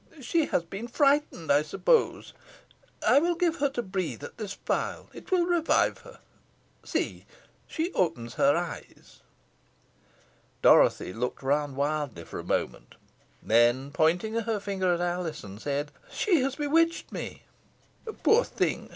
She has been frightened, I suppose. I will give her to breathe at this phial. It will revive her. See, she opens her eyes." Dorothy looked round wildly for a moment, and then pointing her finger at Alizon, said "She has bewitched me." "Poor thing!